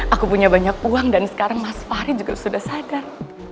aku punya banyak uang dan sekarang mas fahri juga sudah sadar